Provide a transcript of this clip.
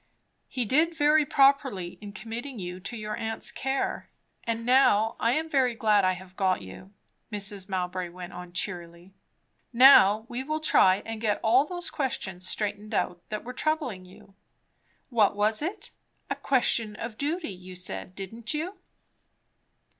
"He did very properly in committing you to your aunt's care; and now I am very glad I have got you," Mrs. Mowbray went on cheerily. "Now we will try and get all those questions straightened out, that were troubling you. What was it? a question of duty, you said, didn't you?"